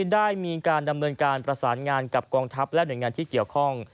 ได้มีการดำเนินการประสานงานกับกองทัพและหน่วยงานที่เกี่ยวข้อง